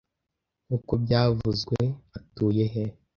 Nkuko byavuzwe, atuye he?